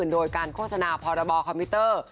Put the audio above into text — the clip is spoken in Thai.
โดยการโฆษณาพรบคอมพิวเตอร์